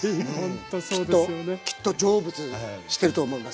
きっときっと成仏してると思います。